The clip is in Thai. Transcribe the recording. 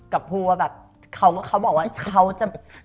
กับผู้ว่าแบบเขาบอกว่าเขาจะไม่ยอม